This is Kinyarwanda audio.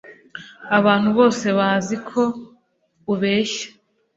Abantu bose bazi ko ubeshya